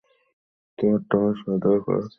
তোমার টমের সঙ্গে দেখা করার কথা, মনে আছে?